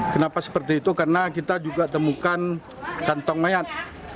kenapa seperti itu karena kita juga temukan kantong mayat